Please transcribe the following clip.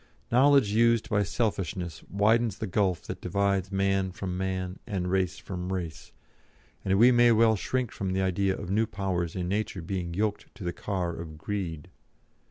Knowledge used by selfishness widens the gulf that divides man from man and race from race, and we may well shrink from the idea of new powers in Nature being yoked to the car of Greed.